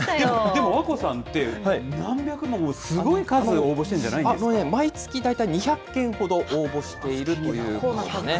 でも、わこさんって、何百も、すごい数応募してるんじゃないで毎月、大体２００件ほど応募しているということですね。